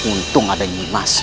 untung ada ini mas